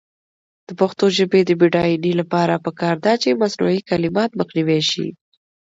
د پښتو ژبې د بډاینې لپاره پکار ده چې مصنوعي کلمات مخنیوی شي.